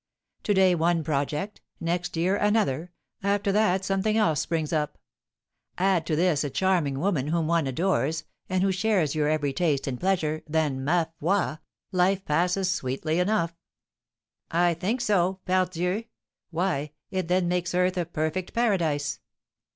To day one project, next year another, after that something else springs up. Add to this a charming woman whom one adores, and who shares your every taste and pleasure, then, ma foi! life passes sweetly enough." "I think so, pardieu! Why, it then makes earth a perfect paradise."